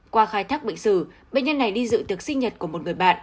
qua khai thác bệnh sử bệnh nhân này đi dự tiệc sinh nhật của một người bạn